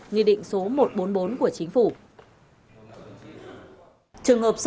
nghị định số một trăm bốn mươi bốn của chính phủ